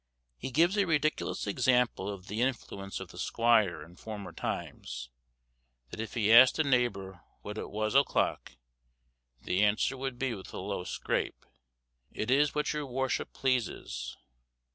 ] He gives a ridiculous example of the influence of the squire in former times; that if he asked a neighbour what it was o'clock, the answer would be with a low scrape, "It is what your worship pleases."